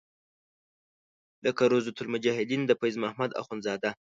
لکه روضة المجاهدین د فیض محمد اخونزاده.